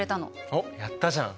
おやったじゃん。